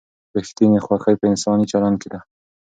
ریښتینې خوښي په انساني چلند کې ده.